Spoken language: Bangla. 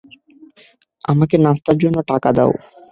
আমাকে নাস্তার জন্য টাকা দাও।